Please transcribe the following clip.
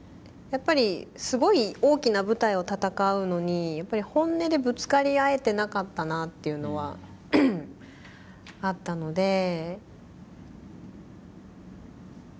やっぱりすごい大きな舞台を戦うのにやっぱり本音でぶつかり合えてなかったなっていうのはあったので。